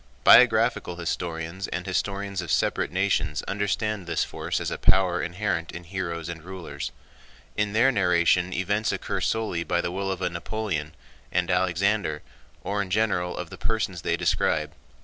Biographical historians and historians of separate nations understand this force as a power inherent in heroes and rulers. In their narration events occur solely by the will of a Napoleon, and Alexander, or in general of the persons they describe.